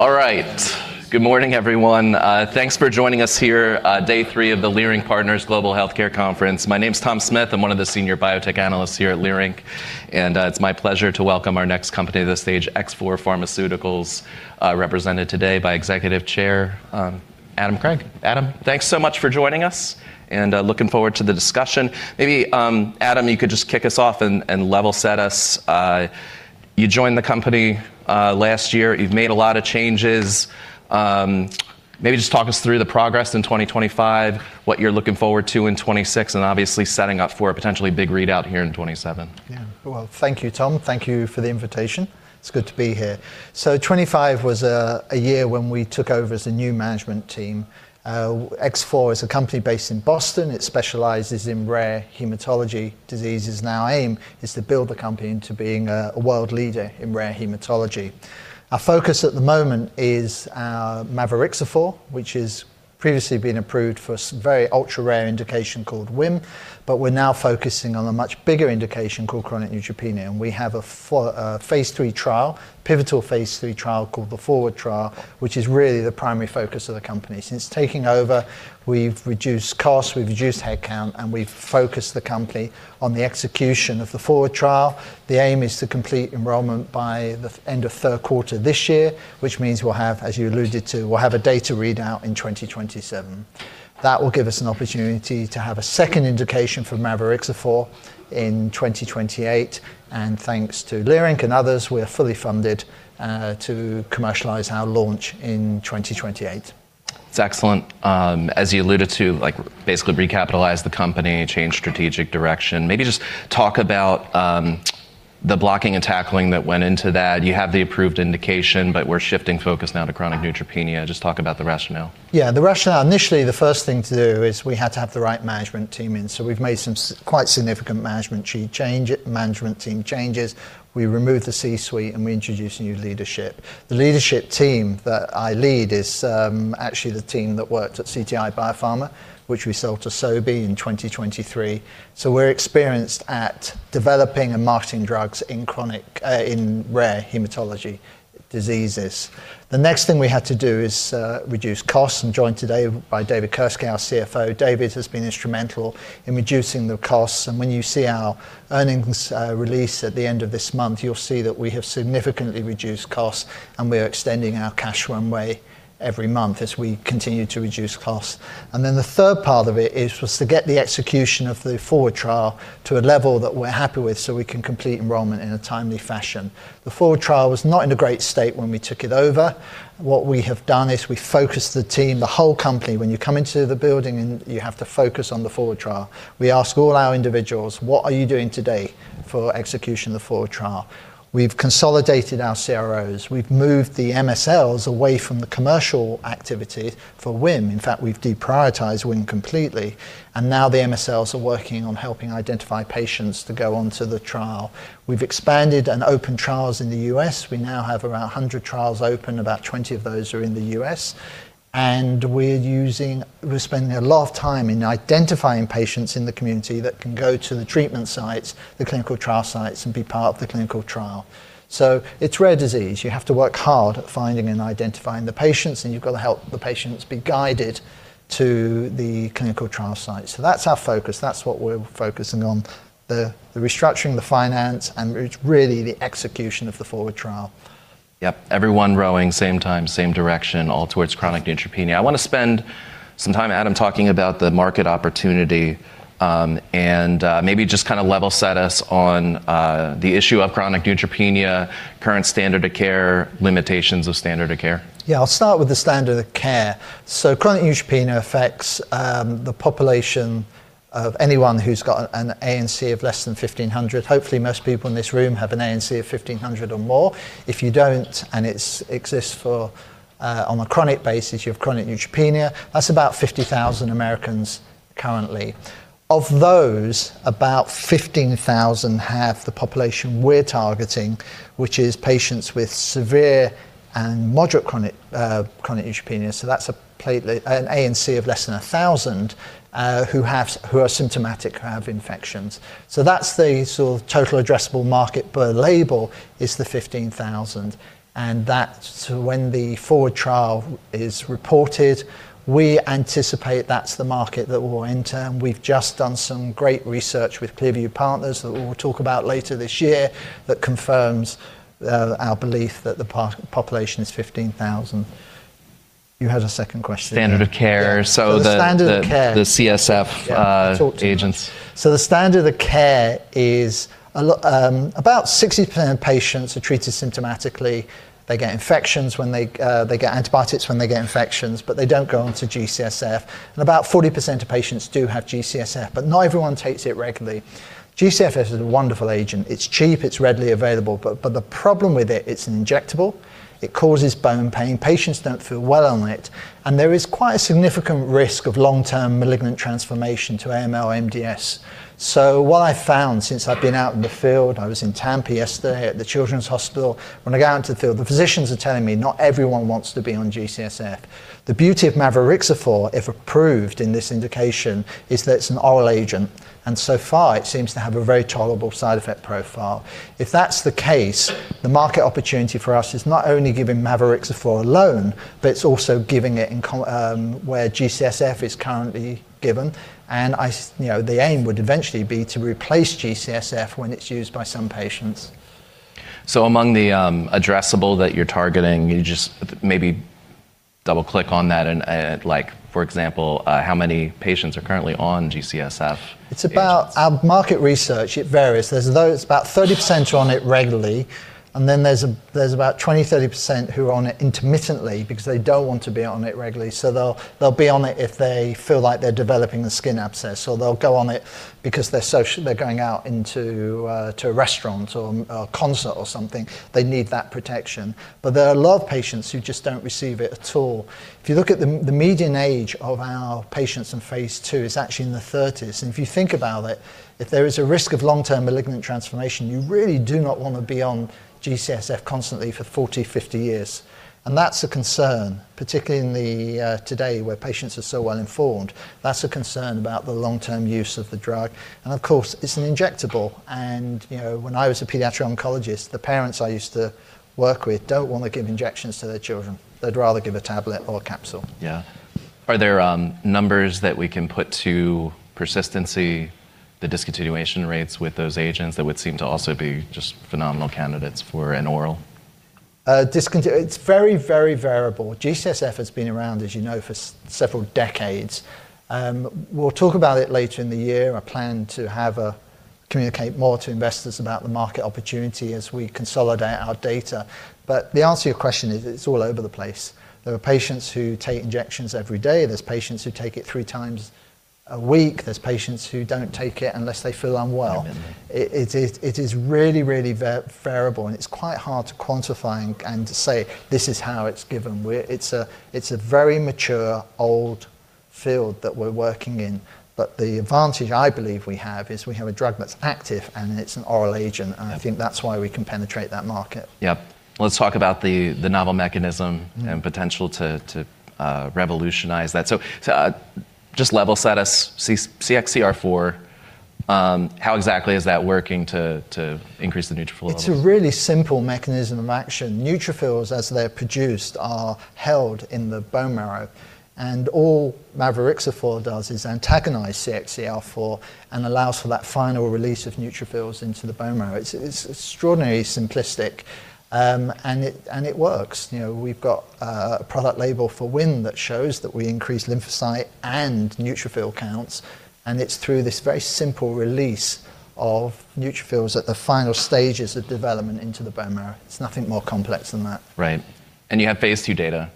All right. Good morning, everyone. Thanks for joining us here, day three of the Leerink Partners Global Healthcare Conference. My name's Thomas Smith. I'm one of the senior biotech analysts here at Leerink, and it's my pleasure to welcome our next company to the stage, X4 Pharmaceuticals, represented today by Executive Chairman Adam Craig. Adam, thanks so much for joining us and looking forward to the discussion. Maybe, Adam, you could just kick us off and level set us. You joined the company last year. You've made a lot of changes. Maybe just talk us through the progress in 2025, what you're looking forward to in 2026, and obviously setting up for a potentially big readout here in 2027. Yeah. Well, thank you, Tom. Thank you for the invitation. It's good to be here. 2025 was a year when we took over as a new management team. X4 is a company based in Boston. It specializes in rare hematology diseases. Our aim is to build the company into being a world leader in rare hematology. Our focus at the moment is our mavorixafor, which has previously been approved for some very ultra-rare indication called WHIM, but we're now focusing on a much bigger indication called chronic neutropenia, and we have a Phase III trial, pivotal Phase III trial called the 4WARD trial, which is really the primary focus of the company. Since taking over, we've reduced costs, we've reduced headcount, and we've focused the company on the execution of the 4WARD trial. The aim is to complete enrollment by the end of third quarter this year, which means, as you alluded to, we'll have a data readout in 2027. That will give us an opportunity to have a second indication for mavorixafor in 2028. Thanks to Leerink and others, we're fully funded to commercialize our launch in 2028. That's excellent. As you alluded to, like, basically recapitalize the company, change strategic direction. Maybe just talk about the blocking and tackling that went into that. You have the approved indication, but we're shifting focus now to chronic neutropenia. Just talk about the rationale. Yeah. The rationale, initially, the first thing to do is we had to have the right management team in. We've made some quite significant management change, management team changes. We removed the C-suite, and we introduced new leadership. The leadership team that I lead is actually the team that worked at CTI BioPharma, which we sold to Sobi in 2023. We're experienced at developing and marketing drugs in chronic in rare hematology diseases. The next thing we had to do is reduce costs. I'm joined today by David Kirske, our CFO. David has been instrumental in reducing the costs, and when you see our earnings release at the end of this month, you'll see that we have significantly reduced costs and we're extending our cash runway every month as we continue to reduce costs. The third part of it is, was to get the execution of the 4WARD trial to a level that we're happy with so we can complete enrollment in a timely fashion. The 4WARD trial was not in a great state when we took it over. What we have done is we focused the team, the whole company, when you come into the building and you have to focus on the 4WARD trial. We ask all our individuals, "What are you doing today for execution of the 4WARD trial?" We've consolidated our CROs. We've moved the away from the commercial activity for WHIM. In fact, we've deprioritized WHIM completely, and now the MSLs are working on helping identify patients to go onto the trial. We've expanded and opened trials in the U.S. We now have around 100 trials open. About 20 of those are in the U.S. We're spending a lot of time in identifying patients in the community that can go to the treatment sites, the clinical trial sites, and be part of the clinical trial. It's rare disease. You have to work hard at finding and identifying the patients, and you've got to help the patients be guided to the clinical trial site. That's our focus. That's what we're focusing on. The restructuring, the finance, and it's really the execution of the 4WARD trial. Yep. Everyone rowing same time, same direction, all towards chronic neutropenia. I wanna spend some time, Adam, talking about the market opportunity, and maybe just kinda level set us on the issue of chronic neutropenia, current standard of care, limitations of standard of care. Yeah. I'll start with the standard of care. Chronic neutropenia affects the population of anyone who's got an ANC of less than 1,500. Hopefully, most people in this room have an ANC of 1,500 or more. If you don't, and it exists on a chronic basis, you have chronic neutropenia. That's about 50,000 Americans currently. Of those, about 15,000 have the population we're targeting, which is patients with severe and moderate chronic neutropenia, an ANC of less than 1,000 who are symptomatic, who have infections. That's the sort of total addressable market per label is the 15,000, and that. When the 4WARD trial is reported, we anticipate that's the market that we'll enter, and we've just done some great research with ClearView Healthcare Partners that we'll talk about later this year that confirms our belief that the population is 15,000. You had a second question. Standard of care. Yeah. The standard of care- So the, the, the CSF, uh- Yeah agents. The standard of care is about 60% of patients are treated symptomatically. They get infections when they get antibiotics when they get infections, but they don't go on to G-CSF, and about 40% of patients do have G-CSF, but not everyone takes it regularly. G-CSF is a wonderful agent. It's cheap, it's readily available, but the problem with it's an injectable, it causes bone pain, patients don't feel well on it, and there is quite a significant risk of long-term malignant transformation to AML or MDS. What I found since I've been out in the field, I was in Tampa yesterday at the children's hospital. When I go out into the field, the physicians are telling me not everyone wants to be on G-CSF. The beauty of mavorixafor, if approved in this indication, is that it's an oral agent, and so far it seems to have a very tolerable side effect profile. If that's the case, the market opportunity for us is not only giving mavorixafor alone, but it's also giving it in combination where G-CSF is currently given. You know, the aim would eventually be to replace G-CSF when it's used by some patients. Among the addressable that you're targeting, you just maybe double-click on that and like, for example, how many patients are currently on G-CSF agents? Our market research, it varies. There are about 30% are on it regularly, and then there's about 20-30% who are on it intermittently because they don't want to be on it regularly. So they'll be on it if they feel like they're developing a skin abscess, or they'll go on it because they're going out to a restaurant or a concert or something. They need that protection. But there are a lot of patients who just don't receive it at all. If you look at the median age of our patients in Phase II is actually in their thirties. If you think about it, if there is a risk of long-term malignant transformation, you really do not wanna be on G-CSF constantly for 40-50 years. That's a concern, particularly in today's, where patients are so well informed. That's a concern about the long-term use of the drug. Of course, it's an injectable and, you know, when I was a pediatric oncologist, the parents I used to work with don't wanna give injections to their children. They'd rather give a tablet or a capsule. Yeah. Are there numbers that we can put to persistency, the discontinuation rates with those agents that would seem to also be just phenomenal candidates for an oral? It's very, very variable. G-CSF has been around, as you know, for several decades. We'll talk about it later in the year. I plan to communicate more to investors about the market opportunity as we consolidate our data. The answer to your question is, it's all over the place. There are patients who take injections every day. There's patients who take it three times a week. There's patients who don't take it unless they feel unwell. It is really, really variable, and it's quite hard to quantify and to say, "This is how it's given." It's a very mature, old field that we're working in. The advantage I believe we have is we have a drug that's active, and it's an oral agent. Yeah. I think that's why we can penetrate that market. Yep. Let's talk about the novel mechanism. Mm. potential to revolutionize that. Just level set us, CXCR4, how exactly is that working to increase the neutrophil levels? It's a really simple mechanism of action. Neutrophils, as they're produced, are held in the bone marrow, and all mavorixafor does is antagonize CXCR4 and allows for that final release of neutrophils into the bone marrow. It's extraordinarily simplistic, and it works. You know, we've got a product label for WHIM that shows that we increase lymphocyte and neutrophil counts, and it's through this very simple release of neutrophils at the final stages of development into the bone marrow. It's nothing more complex than that. Right. You have Phase II data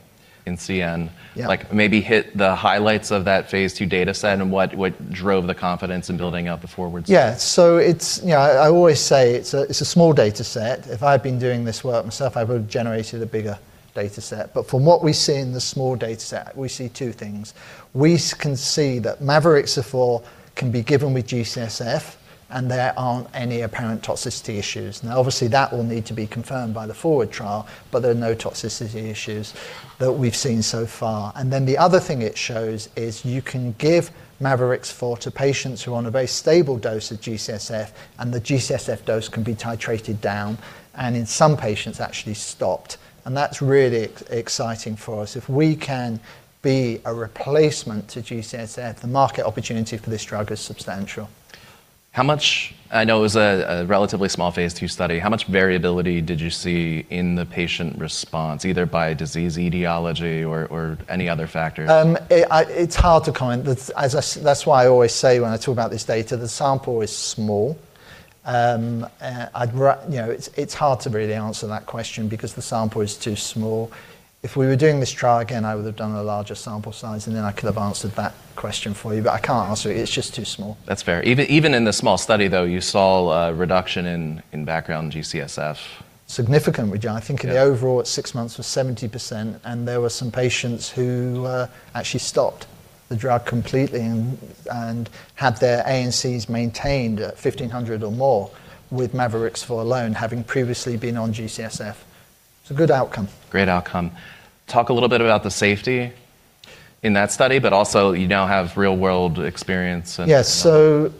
in CN. Yeah. Like maybe hit the highlights of that Phase II data set and what drove the confidence in building out the 4WARD study. You know, I always say it's a small data set. If I'd been doing this work myself, I would've generated a bigger data set. From what we see in the small data set, we see two things. We can see that mavorixafor can be given with G-CSF, and there aren't any apparent toxicity issues. Now, obviously, that will need to be confirmed by the 4WARD trial, but there are no toxicity issues that we've seen so far. The other thing it shows is you can give mavorixafor to patients who are on a very stable dose of G-CSF, and the G-CSF dose can be titrated down and in some patients actually stopped. That's really exciting for us. If we can be a replacement to G-CSF, the market opportunity for this drug is substantial. I know it was a relatively small Phase II study. How much variability did you see in the patient response, either by disease etiology or any other factor? It's hard to comment. That's why I always say when I talk about this data, the sample is small. You know, it's hard to really answer that question because the sample is too small. If we were doing this trial again, I would have done a larger sample size, and then I could have answered that question for you. I can't answer it. It's just too small. That's fair. Even in the small study, though, you saw a reduction in background G-CSF. Significant reduction. Yeah. I think in the overall at six months was 70%, and there were some patients who actually stopped the drug completely and had their ANCs maintained at 1,500 or more with mavorixafor alone, having previously been on G-CSF. It's a good outcome. Great outcome. Talk a little bit about the safety in that study, but also you now have real-world experience. Yes.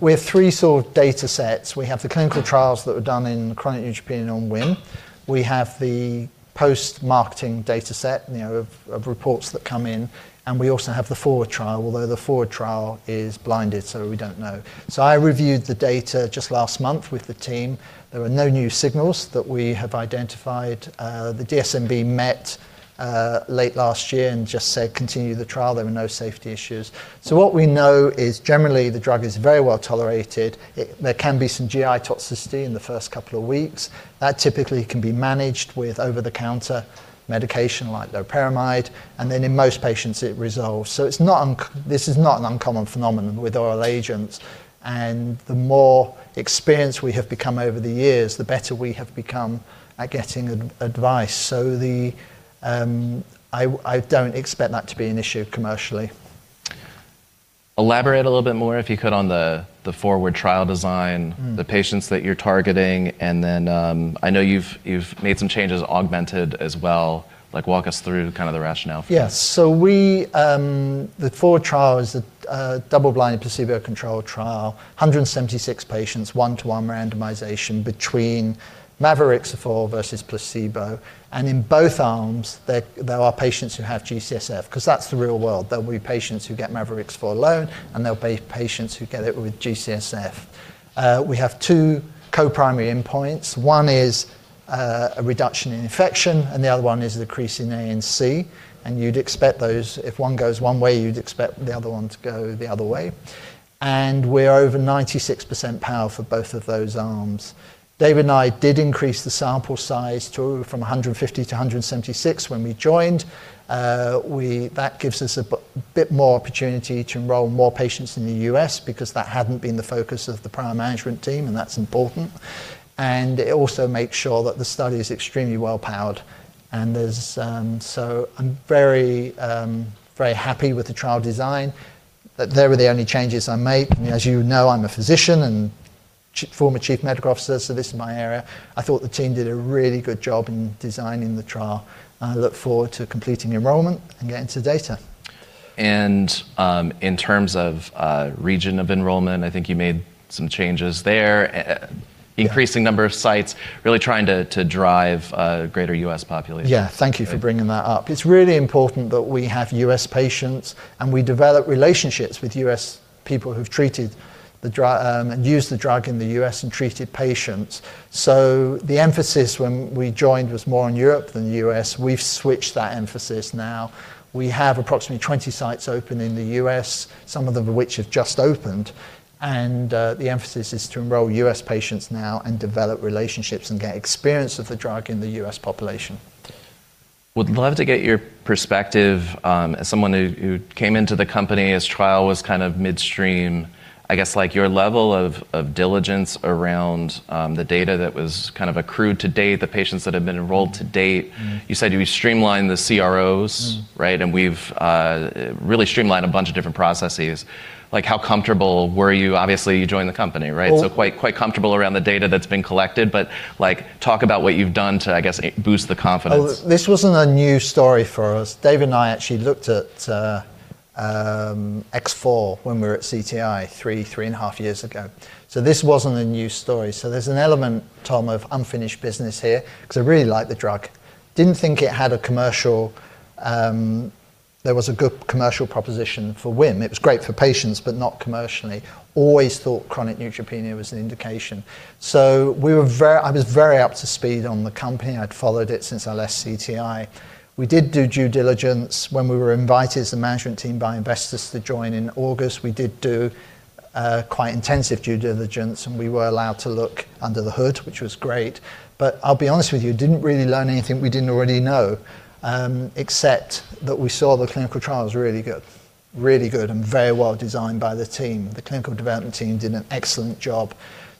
We have three sort of data sets. We have the clinical trials that were done in chronic neutropenia and on WHIM. We have the post-marketing data set, you know, of reports that come in, and we also have the 4WARD trial, although the 4WARD trial is blinded, so we don't know. I reviewed the data just last month with the team. There were no new signals that we have identified. The DSMB met late last year and just said, "Continue the trial. There were no safety issues." What we know is generally the drug is very well tolerated. There can be some GI toxicity in the first couple of weeks. That typically can be managed with over-the-counter medication like loperamide, and then in most patients, it resolves. This is not an uncommon phenomenon with oral agents, and the more experienced we have become over the years, the better we have become at getting advice. I don't expect that to be an issue commercially. Elaborate a little bit more, if you could, on the 4WARD trial design? Mm. The patients that you're targeting, and then, I know you've made some changes, augmented as well. Like, walk us through kind of the rationale for that. Yes. The 4WARD trial is a double-blind, placebo-controlled trial. 176 patients, 1:1 randomization between mavorixafor versus placebo, and in both arms, there are patients who have G-CSF because that's the real world. There'll be patients who get mavorixafor alone, and there'll be patients who get it with G-CSF. We have two co-primary endpoints. One is a reduction in infections, and the other one is an increase in ANC, and you'd expect those. If one goes one way, you'd expect the other one to go the other way. We're over 96% power for both of those arms. David and I did increase the sample size from 150 to 176 when we joined. That gives us a bit more opportunity to enroll more patients in the U.S. because that hadn't been the focus of the prior management team, and that's important. It also makes sure that the study is extremely well powered. I'm very happy with the trial design. They were the only changes I made. As you know, I'm a physician and former chief medical officer, so this is my area. I thought the team did a really good job in designing the trial, and I look forward to completing enrollment and getting to data. In terms of region of enrollment, I think you made some changes there. Yeah. Increasing number of sites, really trying to drive greater U.S. population. Yeah. Thank you for bringing that up. It's really important that we have U.S. patients, and we develop relationships with U.S. people who've treated, and used the drug in the U.S. and treated patients. The emphasis. When we joined was more on Europe than the U.S.. We've switched that emphasis now. We have approximately 20 sites open in the U.S., some of them which have just opened, and the emphasis is to enroll U.S. patients now and develop relationships and get experience with the drug in the U.S. population. Would love to get your perspective, as someone who came into the company as the trial was kind of midstream, I guess like your level of diligence around the data that was kind of accrued to date, the patients that have been enrolled to date. Mm-hmm. You said you streamlined the CROs. Mm. Right? We've really streamlined a bunch of different processes. Like how comfortable were you? Obviously, you joined the company, right? Well- Quite comfortable around the data that's been collected, but, like, talk about what you've done to, I guess, boost the confidence. Oh, this wasn't a new story for us. David and I actually looked at X4 when we were at CTI three three and a half years ago. This wasn't a new story. There's an element, Tom, of unfinished business here because I really like the drug. Didn't think it had a commercial, there was a good commercial proposition for WHIM. It was great for patients, but not commercially. Always thought chronic neutropenia was an indication. I was very up to speed on the company. I'd followed it since I left CTI. We did do due diligence when we were invited as a management team by investors to join in August. We did do quite intensive due diligence, and we were allowed to look under the hood, which was great. I'll be honest with you, didn't really learn anything we didn't already know, except that we saw the clinical trial was really good. Really good and very well-designed by the team. The clinical development team did an excellent job.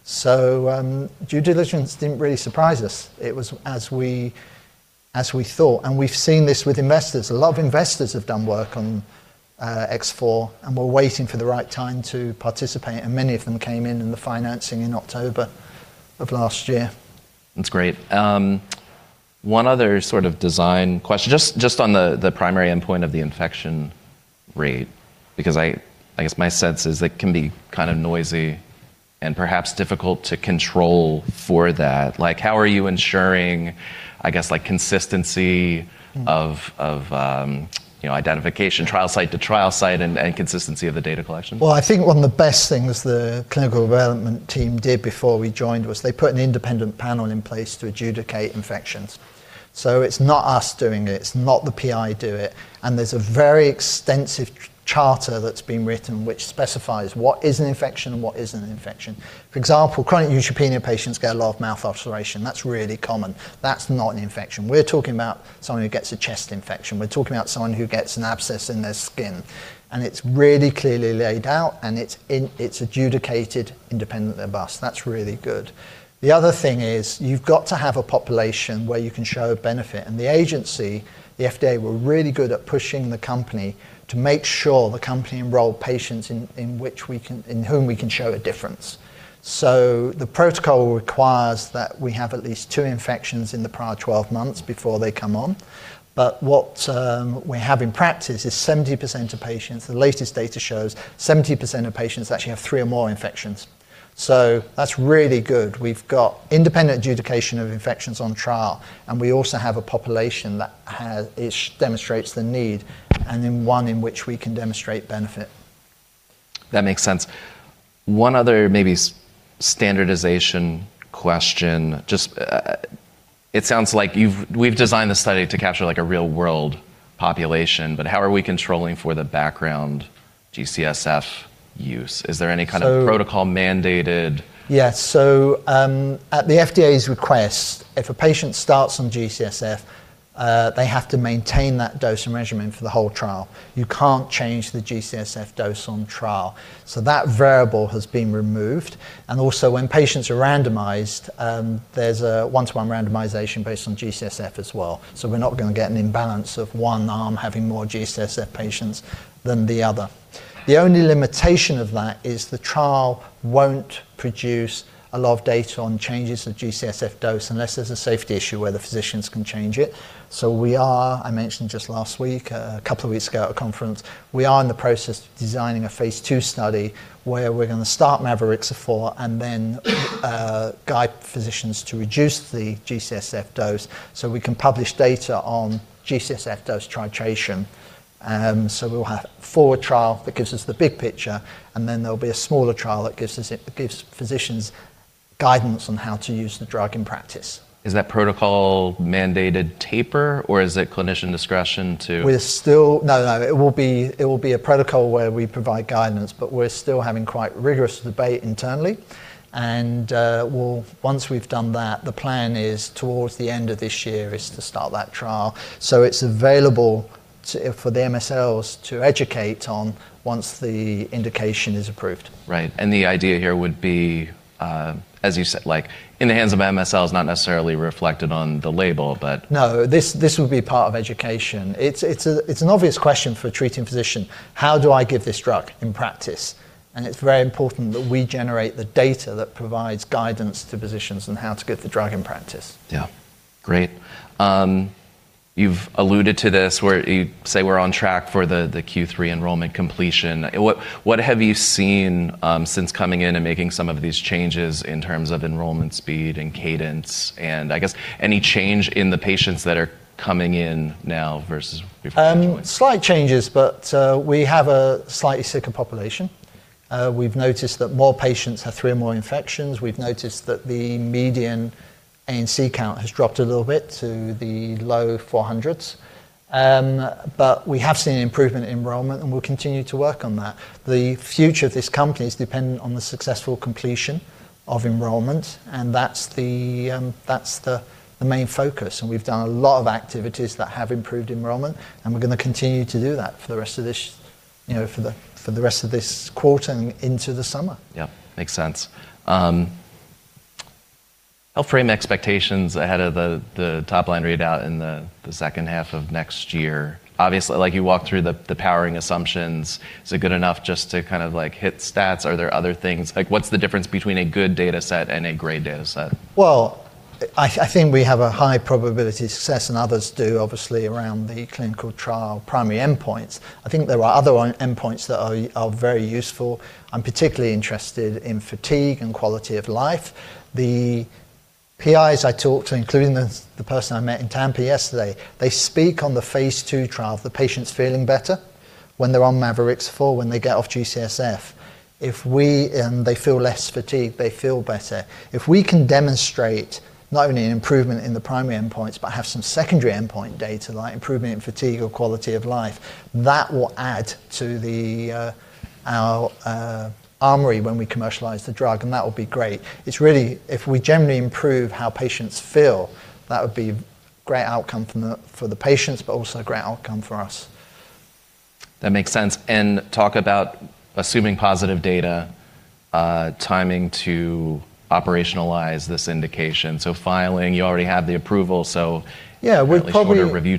Due diligence didn't really surprise us. It was as we thought, and we've seen this with investors. A lot of investors have done work on X4 and were waiting for the right time to participate, and many of them came in in the financing in October of last year. That's great. One other sort of design question. Just on the primary endpoint of the infection rate, because I guess my sense is it can be kinda noisy and perhaps difficult to control for that. Like, how are you ensuring, I guess, like, consistency of you know identification trial site to trial site and consistency of the data collection? Well, I think one of the best things the clinical development team did before we joined was they put an independent panel in place to adjudicate infections. It's not us doing it. It's not the PI do it. There's a very extensive charter that's been written which specifies what is an infection and what isn't an infection. For example, chronic neutropenia patients get a lot of mouth ulceration. That's really common. That's not an infection. We're talking about someone who gets a chest infection. We're talking about someone who gets an abscess in their skin. It's really clearly laid out, and it's adjudicated independently of us. That's really good. The other thing is you've got to have a population where you can show benefit. The agency, the FDA, were really good at pushing the company to make sure the company enrolled patients in whom we can show a difference. The protocol requires that we have at least two infections in the prior 12 months before they come on. What we have in practice is 70% of patients, the latest data shows 70% of patients actually have three or more infections. That's really good. We've got independent adjudication of infections on trial, and we also have a population that demonstrates the need, and then one in which we can demonstrate benefit. That makes sense. One other maybe standardization question. Just, it sounds like we've designed the study to capture like a real-world population, but how are we controlling for the background G-CSF use? Is there any kind of? So- Protocol mandated? Yeah. At the FDA's request, if a patient starts on G-CSF, they have to maintain that dose and regimen for the whole trial. You can't change the G-CSF dose on trial. That variable has been removed. When patients are randomized, there's a one-to-one randomization based on G-CSF as well. We're not gonna get an imbalance of one arm having more G-CSF patients than the other. The only limitation of that is the trial won't produce a lot of data on changes to G-CSF dose unless there's a safety issue where the physicians can change it. We are, I mentioned just last week, a couple of weeks ago at a conference, we are in the process of designing a Phase II study where we're gonna start mavorixafor and then, guide physicians to reduce the G-CSF dose, so we can publish data on G-CSF dose titration. We'll have a 4WARD trial that gives us the big picture, and then there'll be a smaller trial that gives us it gives physicians guidance on how to use the drug in practice. Is that protocol mandated taper, or is it clinician discretion to? No, no. It will be a protocol where we provide guidance, but we're still having quite rigorous debate internally. Once we've done that, the plan is towards the end of this year is to start that trial, so it's available for the MSLs to educate on once the indication is approved. Right. The idea here would be, as you said, like in the hands of MSLs, not necessarily reflected on the label, but No. This would be part of education. It's an obvious question for a treating physician: how do I give this drug in practice? It's very important that we generate the data that provides guidance to physicians on how to give the drug in practice. Yeah. Great. You've alluded to this where you say we're on track for the Q3 enrollment completion. What have you seen since coming in and making some of these changes in terms of enrollment speed and cadence and I guess any change in the patients that are coming in now versus before joining? Slight changes, we have a slightly sicker population. We've noticed that more patients have three or more infections. We've noticed that the median ANC count has dropped a little bit to the low 400s. We have seen an improvement in enrollment, and we'll continue to work on that. The future of this company is dependent on the successful completion of enrollment, and that's the main focus, and we've done a lot of activities that have improved enrollment, and we're gonna continue to do that for the rest of this quarter into the summer, you know. Yeah. Makes sense. Help frame the expectations ahead of the top line readout in the second half of next year. Obviously, like you walked through the powering assumptions. Is it good enough just to kind of like hit stats? Are there other things? Like, what's the difference between a good data set and a great data set? I think we have a high probability success and others do obviously around the clinical trial primary endpoints. I think there are other endpoints that are very useful. I'm particularly interested in fatigue and quality of life. The PIs I talked to, including the person I met in Tampa yesterday, they speak on the Phase II trial of the patients feeling better when they're on mavorixafor, when they get off G-CSF. They feel less fatigued, they feel better. If we can demonstrate not only an improvement in the primary endpoints, but have some secondary endpoint data like improvement in fatigue or quality of life, that will add to our armory when we commercialize the drug, and that would be great. It's really, if we generally improve how patients feel, that would be great outcome for the patients, but also a great outcome for us. That makes sense. Talk about assuming positive data, timing to operationalize this indication. Filing, you already have the approval. Yeah. Shorter review timeline. Yeah. It depends on the review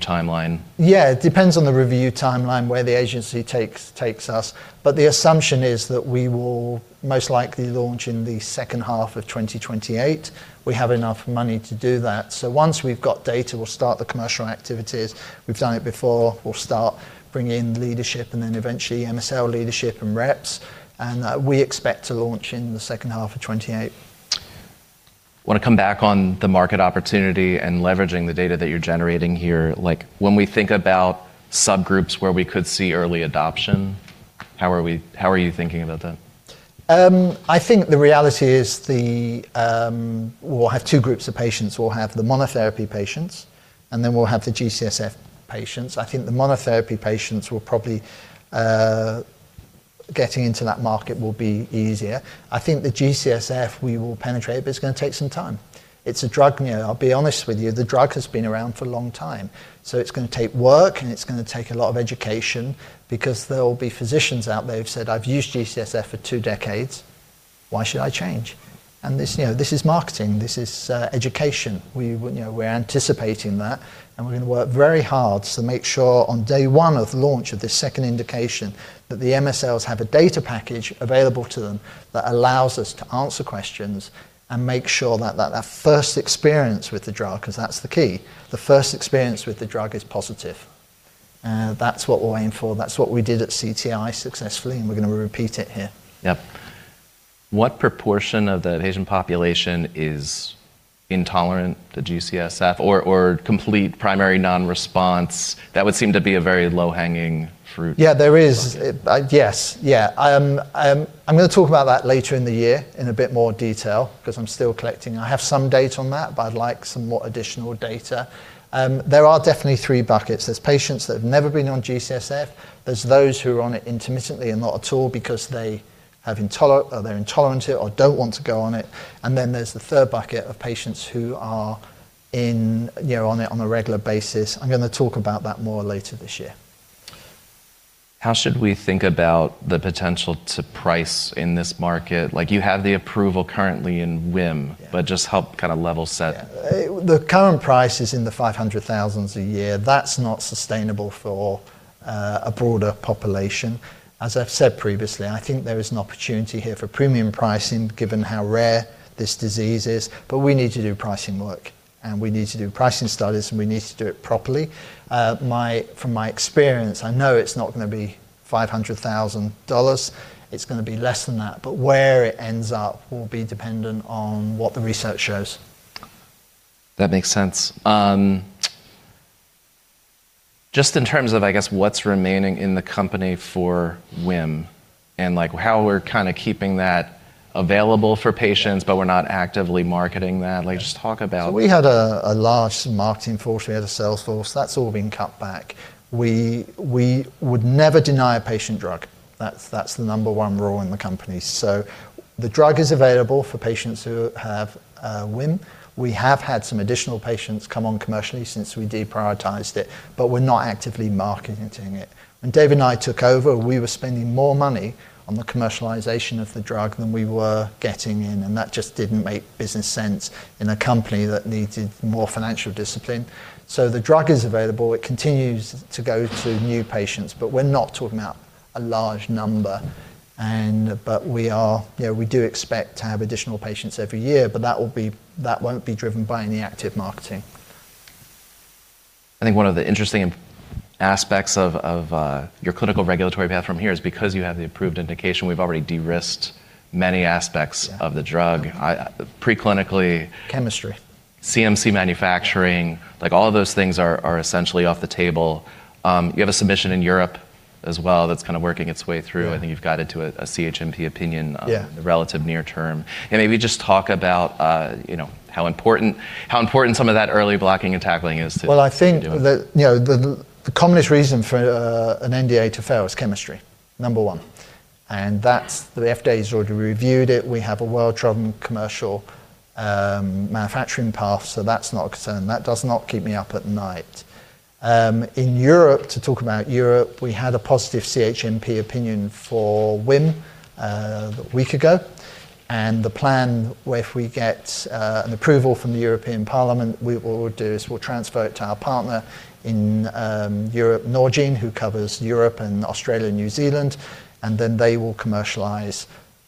timeline, where the agency takes us. The assumption is that we will most likely launch in the second half of 2028. We have enough money to do that. Once we've got data, we'll start the commercial activities. We've done it before. We'll start bringing in leadership and then eventually MSL leadership and reps, and we expect to launch in the second half of 2028. Wanna come back on the market opportunity and leveraging the data that you're generating here. Like, when we think about subgroups where we could see early adoption, how are you thinking about that? I think the reality is we'll have two groups of patients. We'll have the monotherapy patients, and then we'll have the G-CSF patients. I think the monotherapy patients will probably getting into that market will be easier. I think the G-CSF we will penetrate, but it's gonna take some time. It's a drug, you know. I'll be honest with you, the drug has been around for a long time, so it's gonna take work, and it's gonna take a lot of education because there will be physicians out there who've said, "I've used G-CSF for two decades. Why should I change?" This, you know, this is marketing. This is education. You know, we're anticipating that, and we're gonna work very hard to make sure on day one of launch of this second indication that the MSLs have a data package available to them that allows us to answer questions and make sure that first experience with the drug, 'cause that's the key, the first experience with the drug is positive. That's what we're aiming for. That's what we did at CTI successfully, and we're gonna repeat it here. Yep. What proportion of the patient population is intolerant to G-CSF or complete primary non-response? That would seem to be a very low-hanging fruit. I'm gonna talk about that later in the year in a bit more detail because I'm still collecting. I have some data on that, but I'd like some more additional data. There are definitely three buckets. There's patients that have never been on G-CSF. There's those who are on it intermittently and not at all because they're intolerant to it or don't want to go on it. Then there's the third bucket of patients who are, you know, on it on a regular basis. I'm gonna talk about that more later this year. How should we think about the potential to price in this market? Like, you have the approval currently in WHIM. Yeah. just help kind of level set. Yeah. The current price is $500,000 a year. That's not sustainable for a broader population. As I've said previously, I think there is an opportunity here for premium pricing given how rare this disease is. We need to do pricing work, and we need to do pricing studies, and we need to do it properly. From my experience, I know it's not gonna be $500,000. It's gonna be less than that, but where it ends up will be dependent on what the research shows. That makes sense. Just in terms of, I guess, what's remaining in the company for WHIM and, like, how we're kinda keeping that available for patients, but we're not actively marketing that. Like, just talk about. We had a large marketing force. We had a sales force. That's all been cut back. We would never deny a patient drug. That's the number one rule in the company. The drug is available for patients who have WHIM. We have had some additional patients come on commercially since we deprioritized it, but we're not actively marketing it. When David and I took over, we were spending more money on the commercialization of the drug than we were getting in, and that just didn't make business sense in a company that needed more financial discipline. The drug is available. It continues to go to new patients, but we're not talking about a large number. We are, you know, we do expect to have additional patients every year, but that won't be driven by any active marketing. I think one of the interesting aspects of your clinical regulatory path from here is because you have the approved indication, we've already de-risked many aspects. Yeah. of the drug. I preclinically Chemistry. CMC manufacturing, like, all of those things are essentially off the table. You have a submission in Europe as well that's kinda working its way through. Yeah. I think you've got it to a CHMP opinion. Yeah. in the relative near term. Yeah, maybe just talk about, you know, how important some of that early blocking and tackling is to Well, I think. -to doing. You know, the commonest reason for an NDA to fail is chemistry, number one, and that's the FDA's already reviewed it. We have a well-trodden commercial manufacturing path, so that's not a concern. That does not keep me up at night. In Europe, to talk about Europe, we had a positive CHMP opinion for WHIM a week ago, and the plan, if we get an approval from the European Commission, what we will do is we'll transfer it to our partner in Europe, Norgine, who covers Europe and Australia, New Zealand, and then they will commercialize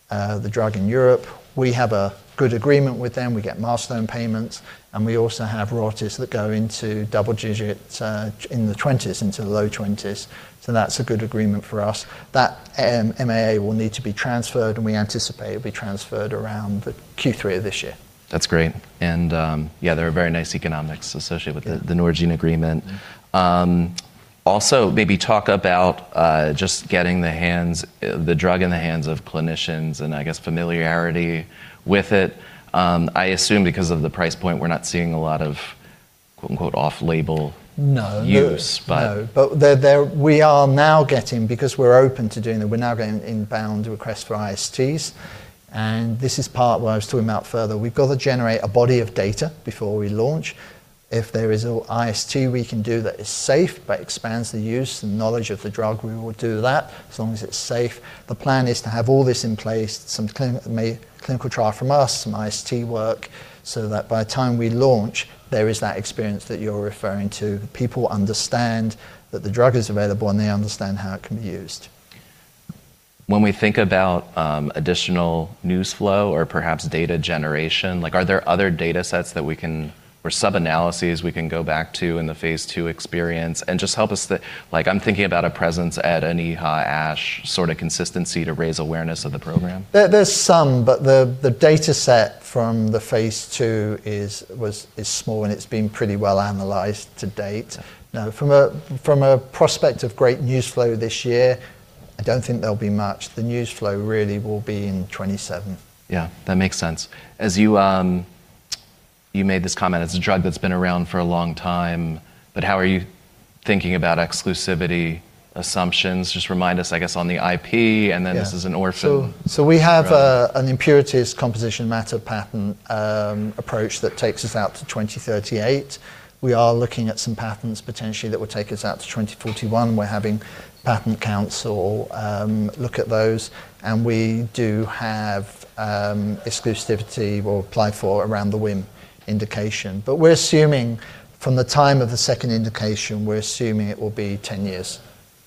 the drug in Europe. We have a good agreement with them. We get milestone payments, and we also have royalties that go into double digits in the 20s, into the low 20s, so that's a good agreement for us. That MAA will need to be transferred, and we anticipate it'll be transferred around the Q3 of this year. That's great, and yeah, there are very nice economics associated with the- Yeah. the Norgine agreement. Also maybe talk about just getting the drug in the hands of clinicians and, I guess, familiarity with it. I assume because of the price point, we're not seeing a lot of, quote-unquote, "off-label No. -use, but- No, but we're now getting inbound requests for ISTs, because we're open to doing that, and this is part where I was talking about further. We've got to generate a body of data before we launch. If there is an IST we can do that is safe, but expands the use and knowledge of the drug, we will do that, as long as it's safe. The plan is to have all this in place, some clinical trial from us, some IST work, so that by the time we launch, there is that experience that you're referring to. People understand that the drug is available, and they understand how it can be used. When we think about additional news flow or perhaps data generation, like, are there other data sets that we can or sub-analyses we can go back to in the Phase 2 experience and just help us. Like, I'm thinking about a presence at EHA, ASH sort of consistency to raise awareness of the program. There's some, but the dataset from the phase two is small, and it's been pretty well analyzed to date. Now from a prospect of great news flow this year, I don't think there'll be much. The news flow really will be in 2027. Yeah. That makes sense. As you made this comment, it's a drug that's been around for a long time, but how are you thinking about exclusivity assumptions? Just remind us, I guess, on the IP- Yeah. This is an orphan drug. We have a composition of matter patent approach that takes us out to 2038. We are looking at some patents potentially that would take us out to 2041. We're having patent counsel look at those, and we do have exclusivity we'll apply for around the WHIM indication. We're assuming from the time of the second indication it will be 10 years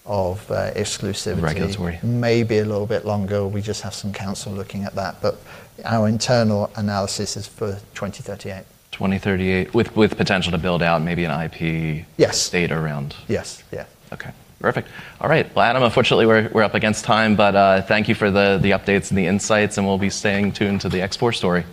of exclusivity. Regulatory. Maybe a little bit longer. We just have some counsel looking at that, but our internal analysis is for 2038. 2038 with potential to build out maybe an IP. Yes. stayed around. Yes. Yeah. Okay. Perfect. All right. Well, Adam, unfortunately, we're up against time, but thank you for the updates and the insights, and we'll be staying tuned to the X4 story.